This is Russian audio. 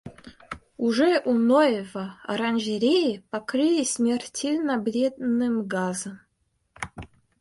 Уже у Ноева оранжереи покрылись смертельно-бледным газом!